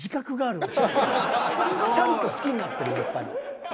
ちゃんと好きになってるやっぱり。